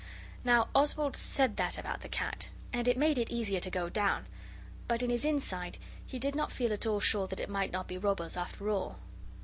Now Oswald said that about the cat, and it made it easier to go down, but in his inside he did not feel at all sure that it might not be robbers after all.